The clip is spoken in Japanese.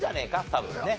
多分ね。